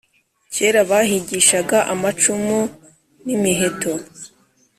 Cyera bahigishaga amacumi n’imiheto